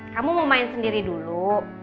kamu mau main sendiri dulu